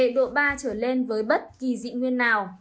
độ ba trở lên với bất kỳ dị nguyên nào